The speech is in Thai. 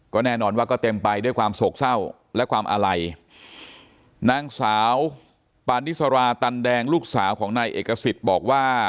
ก็แน่นอนว่าก็เต็มไปด้วยความโศกเศร้าและความอาลัยนางสาวปานิสราตันแดงลูกสาวของนายเอกสิทธิ์บอกว่า